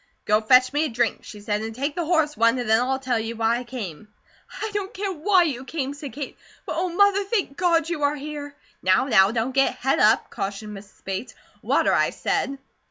"Go fetch me a drink," she said, "and take the horse one and then I'll tell you why I came." "I don't care why you came," said Kate, "but Oh, Mother, thank God you are here!" "Now, now, don't get het up!" cautioned Mrs. Bates. "Water, I said."